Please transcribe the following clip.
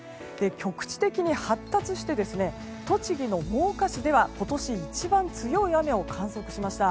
局地的に発達して栃木の真岡市では今年一番強い雨を観測しました。